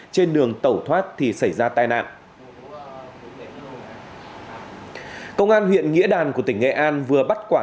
trên đường tẩu thoát thì xảy ra tai nạn công an huyện nghĩa đàn của tỉnh nghệ an vừa bắt quả